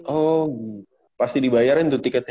oh pasti dibayarin tuh tiketnya